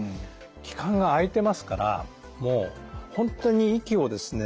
器官が開いてますからもう本当に息をですね